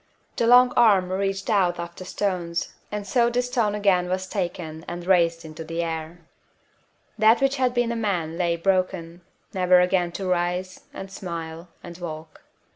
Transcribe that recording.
"The long arm reached out after stones, and so this stone again was taken and raised into the air. That which had been a man lay broken, never again to rise and smile and walk.